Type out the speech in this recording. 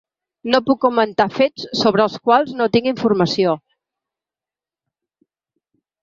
No puc comentar fets sobre els quals no tinc informació.